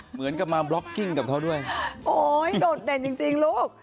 เหมือนกับมาบล็อกกิ้งกับเขาด้วยโอ้ยโดดเด่นจริงจริงลูก